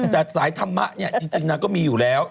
แต่สายธรรมะเนี่ยจริงนางก็มีอยู่แล้ว